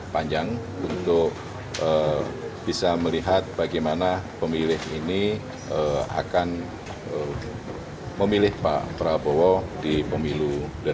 panjang untuk bisa melihat bagaimana pemilih ini akan memilih pak prabowo di pemilu dua ribu sembilan belas